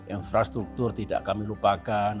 infrastruktur tidak kami lupakan